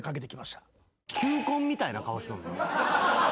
球根みたいな顔しとんな。